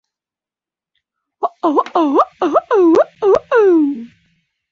এটি একটি।